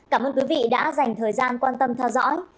cảm ơn quý vị đã dành thời gian quan tâm theo dõi